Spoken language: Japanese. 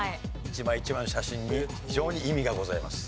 一枚一枚の写真に非常に意味がございます。